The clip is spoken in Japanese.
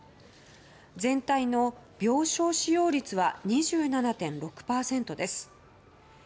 全体の病床使用率は２７．６％です。